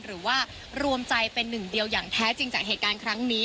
หรือว่ารวมใจเป็นหนึ่งเดียวอย่างแท้จริงจากเหตุการณ์ครั้งนี้